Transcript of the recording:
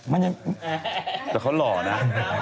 มันยังแต่เขาหล่อนะ